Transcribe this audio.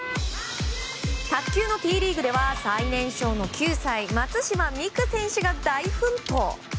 卓球のＴリーグでは最年少の９歳、松島美空選手が大奮闘！